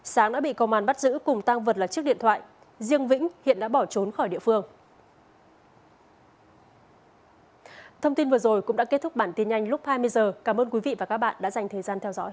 sáng đã bị công an bắt giữ cùng tăng vật là chiếc điện thoại riêng vĩnh hiện đã bỏ trốn khỏi địa phương